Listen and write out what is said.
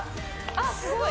あっすごい！